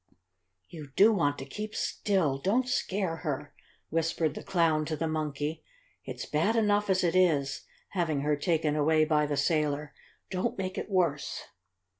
"You want to keep still don't scare her!" whispered the Clown to the Monkey. "It's bad enough as it is having her taken away by the sailor. Don't make it worse!"